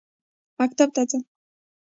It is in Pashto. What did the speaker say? مکتب ته ځم.